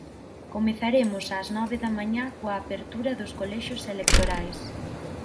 Comezaremos ás nove da mañá coa apertura dos colexios electorais.